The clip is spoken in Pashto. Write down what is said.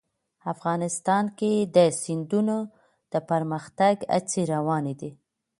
افغانستان کې د سیندونه د پرمختګ هڅې روانې دي.